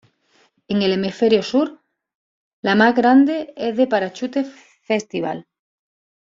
En el hemisferio sur, la más grande es de Parachute Festival.